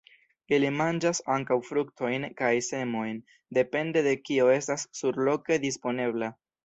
Ili manĝas ankaŭ fruktojn kaj semojn, depende de kio estas surloke disponebla.